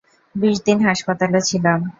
বিশদিন হাসপাতালে ছিলাম।